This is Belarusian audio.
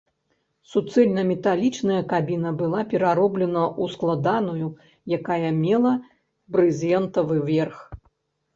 Суцэльнаметалічная кабіна была перароблена ў складаную, якая мела брызентавы верх.